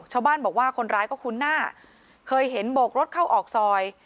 ชาวบ้านบอกว่าคนร้ายก็คุ้นหน้าเคยเห็นโบกรถเข้าออกซอย